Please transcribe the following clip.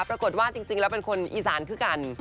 ปรากฏว่าจริงแล้วเป็นคนอีสานคือกัน